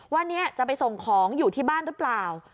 ว่าจะไปส่งของอยู่ที่บ้านหรือเปล่า